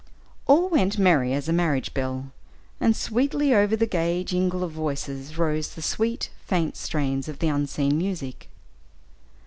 All went merry as a marriage bell, and sweetly over the gay jingle of voices rose the sweet, faint strains of the unseen music.